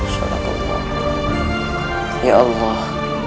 suatu yang lebih baik ya allah